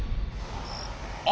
あ！